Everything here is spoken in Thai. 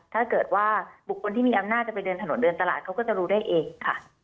ถ้าเกิดว่าบุคคลที่มีอำนาจจะไปเดินถนนเดินตลาดเขาก็จะรู้ได้เองค่ะ